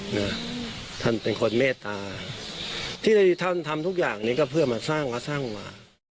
นะท่านเป็นคนเมตตาที่ท่านทำทุกอย่างนี้ก็เพื่อมาสร้างและสร้างมา